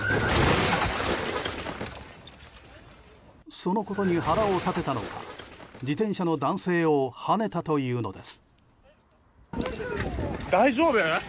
そのことに腹を立てたのか自転車の男性をはねたというのです。